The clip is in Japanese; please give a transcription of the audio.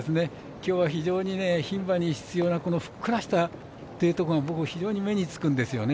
きょうは非常に牝馬に必要なふっくらしたというところが僕、非常に目につくんですよね。